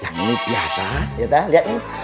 yang ini biasa lihat lah